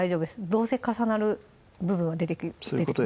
どうせ重なる部分は出てきます